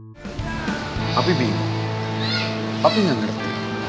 tapi bi tapi gak ngerti